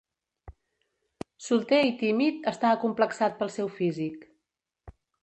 Solter i tímid, està acomplexat pel seu físic.